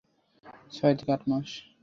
ছয় থেকে আট মাস!